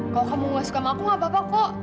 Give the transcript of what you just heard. kalau kamu gak suka sama aku gak apa apa kok